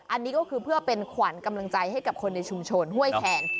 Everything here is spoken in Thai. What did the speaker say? อันนี้ก็คือเพื่อเป็นขวัญกำลังใจให้กับคนในชุมชนห้วยแขก